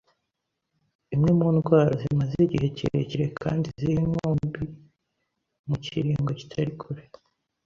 imwe mu ndwara zimaze igihe kirekire kandi ziha inkumbi - mu kiringo kitari kure.